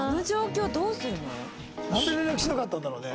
なんで連絡しなかったんだろうね？